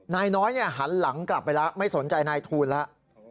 นายน้อยหันหลังกลับไปแล้วไม่สนใจนายทูลแล้ว